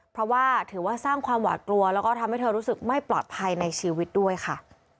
เพราะว่าถือว่าสร้างความหวาดกลัวแล้วก็ทำให้เธอรู้สึกไม่ปลอดภัยในชีวิตด้วยค่ะ